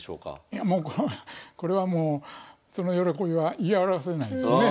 いやもうこれはもうその喜びは言い表せないですね。